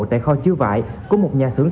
tại kho chứa vải của một nhà xưởng